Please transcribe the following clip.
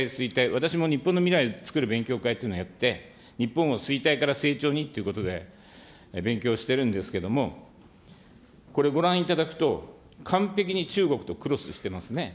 私も日本の未来をつくる勉強会というのをやって、日本を衰退から成長にということで、勉強してるんですけれども、これご覧いただくと、完璧に中国とクロスしてますね。